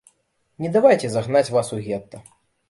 Не давайце загнаць вас у гета.